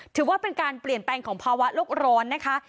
ถือว่าเป็นการเปลี่ยนแปลงของภาวะโลกร้อนนะคะ